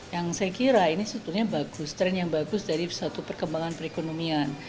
yang saya kira ini sebetulnya bagus tren yang bagus dari satu perkembangan perekonomian